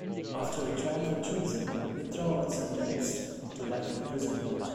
After a trial for treason, Mitra was sentenced to life imprisonment.